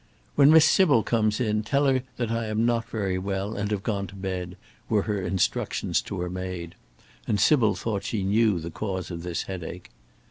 "When Miss Sybil comes in, tell her that I am not very well, and have gone to bed," were her instructions to her maid, and Sybil thought she knew the cause of this headache.